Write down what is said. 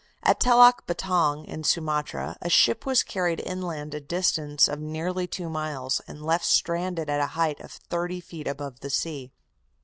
At Telok Betong, in Sumatra, a ship was carried inland a distance of nearly two miles, and left stranded at a height of thirty feet above the sea.